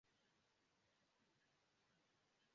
Laŭ analizo la akvo havas alkala-hidrokarbonaton.